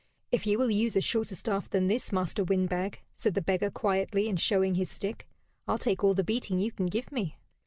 "If you will use a shorter staff than this, Master Wind bag," said the beggar, quietly, and showing his stick, "I'll take all the beating you can give me."